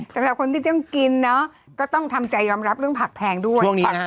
สำหรับคนที่ต้องกินเนาะก็ต้องทำใจยอมรับเรื่องผักแพงด้วย